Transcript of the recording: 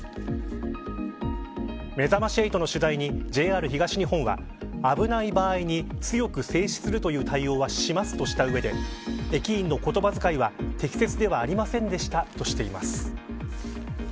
めざまし８の取材にＪＲ東日本は危ない場合に、強く制止するという対応はしますとした上で駅員の言葉遣いは適切ではありませんでした